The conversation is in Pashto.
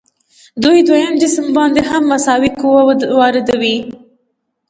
دوی دویم جسم باندې هم مساوي قوه واردوي.